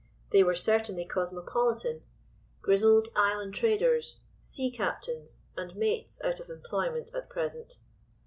They were certainly cosmopolitan—grizzled island traders, sea captains, and mates out of employment at present.